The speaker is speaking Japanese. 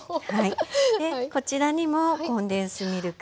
こちらにもコンデンスミルク。